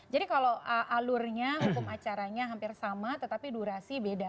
jadi kalau alurnya hukum acaranya hampir sama tetapi durasi beda